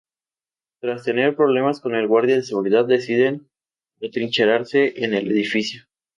Tras tener problemas con el guardia de seguridad, deciden atrincherarse en el edificio.